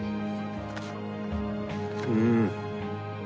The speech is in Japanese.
うん！